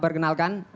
perkenalkan nama saya